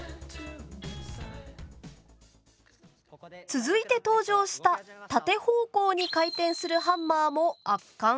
続いて登場した縦方向に回転するハンマーも圧巻。